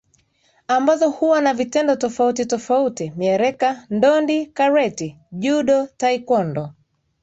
ambazo huwa na vitengo tofauti tofauti miereka Ndodi kareti judo taekwondo